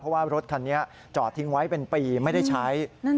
เพราะว่ารถคันนี้จอดทิ้งไว้เป็นปีไม่ได้ใช้